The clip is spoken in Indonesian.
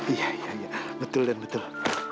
iya betul den betul